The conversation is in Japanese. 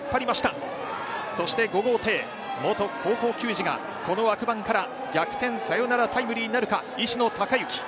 そして５号艇、元高校球児が、この枠番から逆転サヨナラタイムリーなるか、石野貴之。